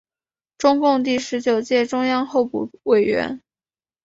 中共第十九届中央候补委员。